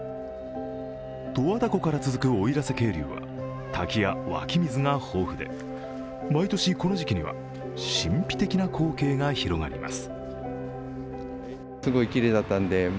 十和田湖から続く奥入瀬渓流は、滝や湧き水が豊富で毎年この時期には神秘的な光景が広がります。